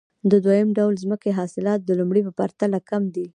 د دویم ډول ځمکې حاصلات د لومړۍ په پرتله کم دي